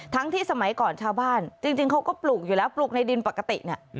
ที่สมัยก่อนชาวบ้านจริงเขาก็ปลูกอยู่แล้วปลูกในดินปกติเนี่ย